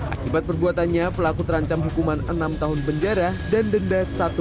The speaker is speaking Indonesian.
akibat perbuatannya pelaku terancam hukuman enam tahun penjara dan denda